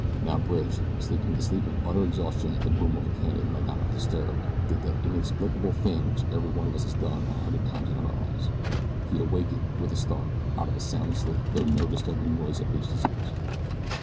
Now Bridge, sleeping the sleep of utter exhaustion that the boom of a cannon might not have disturbed, did that inexplicable thing which every one of us has done a hundred times in our lives. He awakened, with a start, out of a sound sleep, though no disturbing noise had reached his ears.